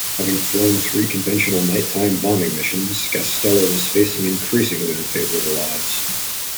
Having flown three conventional night-time bombing missions, Gastello was facing increasingly unfavorable odds.